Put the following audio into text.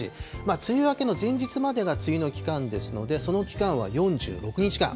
梅雨明けの前日までが梅雨の期間ですので、その期間は４６日間。